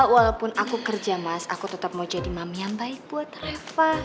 walaupun aku kerja mas aku tetap mau jadi mami yang baik buat reva